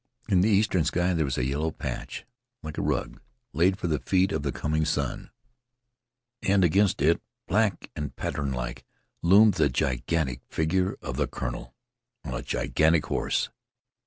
In the eastern sky there was a yellow patch like a rug laid for the feet of the coming sun; and against it, black and patternlike, loomed the gigantic figure of the colonel on a gigantic horse.